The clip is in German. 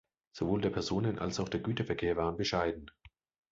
Sowohl der Personen- als auch der Güterverkehr waren bescheiden.